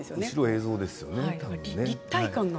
後ろは映像ですね。